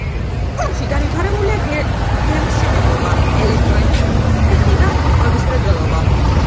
ქალაქში განვითარებულია გემთმშენებლობა, ელექტროტექნიკა, კვების მრეწველობა.